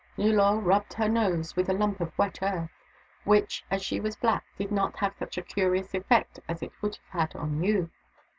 Nullor rubbed her nose with a lump of wet earth, which, as she was black, did not have such a curious effect as it would have had on you.